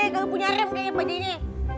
tapi punya rem kayaknya bajajnya